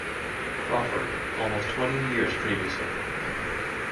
Crawford almost twenty years previously.